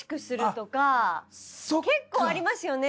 結構ありますよね